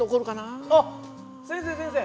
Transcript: あっ先生先生。